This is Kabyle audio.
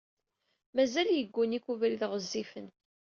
Mazal yegguni-k ubrid ɣezzifen.